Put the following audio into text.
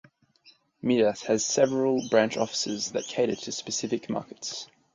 Midas has several branch offices that cater to specific markets.